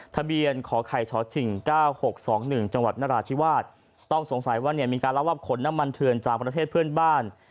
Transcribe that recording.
ทะเบียนขอไข่ชอตสิ่งเจ้าหกสองหนึ่งจังหวัดนราธิวาสต้องสงสัยว่าเนี่ยมีการรับวับขนน้ำมันเถือนจากประเทศเพื่อนบ้าน